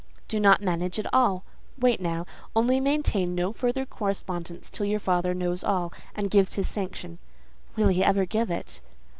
"Do not manage at all. Wait now. Only maintain no further correspondence till your father knows all, and gives his sanction." "Will he ever give it?"